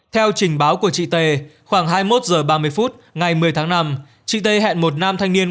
theo trình báo của chị t khoảng hai mươi một h ba mươi phút ngày một mươi tháng năm chị tây hẹn một nam thanh niên